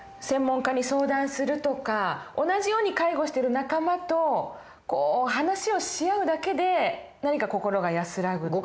専門家に相談するとか同じように介護してる仲間と話をし合うだけで何か心が安らぐ。